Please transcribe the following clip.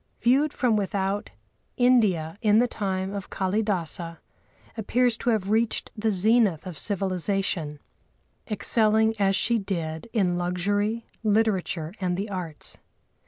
Viewed from without, India, in the time of Kâlidâsa, appeared to have reached the zenith of civilisation, excelling as she did in luxury, literature and the arts.